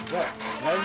perahu minum dulu